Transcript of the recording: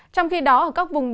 trong khi đó ở các vùng đông